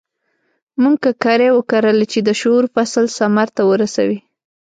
موږ ککرې وکرلې چې د شعور فصل ثمر ته ورسوي.